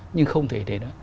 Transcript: nhưng không thể để nữa